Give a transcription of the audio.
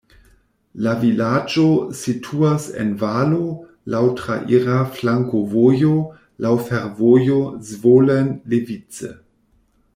La vilaĝo situas en valo, laŭ traira flankovojo, laŭ fervojo Zvolen-Levice.